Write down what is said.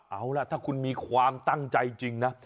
เอาล่ะถ้าคุณมีความตั้งใจจริงนะ